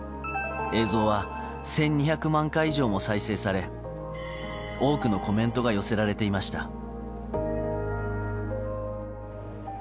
映像は１２００万回以上も再生され多くのコメントが寄せられていました。